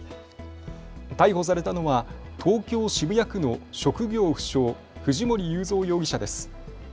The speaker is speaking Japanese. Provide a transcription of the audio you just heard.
逮捕されたのは東京渋谷区の職業不詳、藤森友三容疑者です。